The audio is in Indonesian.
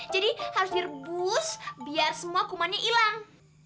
jadi harus direbus biar semua kumannya hilang